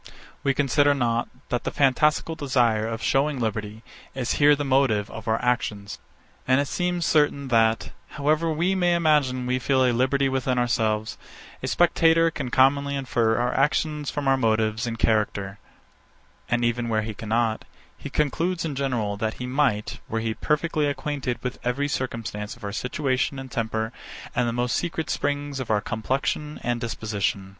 We consider not, that the fantastical desire of shewing liberty, is here the motive of our actions. And it seems certain, that, however we may imagine we feel a liberty within ourselves, a spectator can commonly infer our actions from our motives and character; and even where he cannot, he concludes in general, that he might, were he perfectly acquainted with every circumstance of our situation and temper, and the most secret springs of our complexion and disposition.